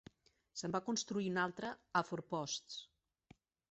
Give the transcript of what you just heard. Se'n va construir un altre a Fourposts.